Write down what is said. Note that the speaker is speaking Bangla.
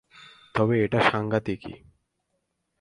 তবে এটা সাংঘাতিকই।